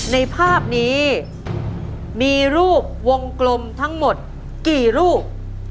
ในภาพนี้มีรูปวงกลมทั้งหมดกี่รูป